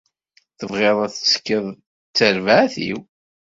Tebɣiḍ ad tettekkiḍ d terbaɛt-iw?